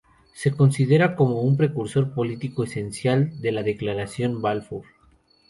Se considera como un precursor político esencial de la Declaración Balfour.